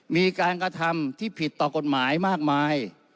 มีการกระทำที่ผิดต่อกฎหมายมากมาย